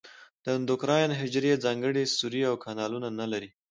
د اندوکراین حجرې ځانګړي سوري او کانالونه نه لري.